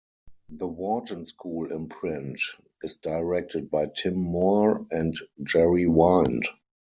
The Wharton School imprint is directed by Tim Moore and Jerry Wind.